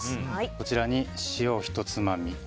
こちらに塩をひとつまみ